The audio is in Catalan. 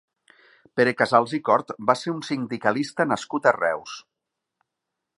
Pere Casals i Cort va ser un sindicalista nascut a Reus.